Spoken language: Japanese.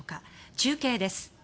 中継です。